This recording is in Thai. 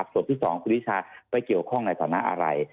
ส่วนที่๒คุณนิชาไปเกี่ยวข้องในฐานะอะไร